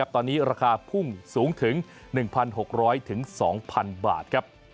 ตอนนี้ราคาพุ่งสูงถึง๑๖๐๐๒๐๐๐บาทครับ